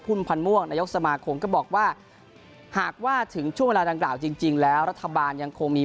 พันธ์ม่วงนายกสมาคมก็บอกว่าหากว่าถึงช่วงเวลาดังกล่าวจริงแล้วรัฐบาลยังคงมี